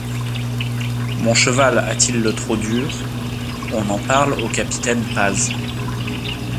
Mon cheval a-t-il le trot dur, on en parle au capitaine Paz.